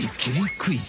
クイズ！」。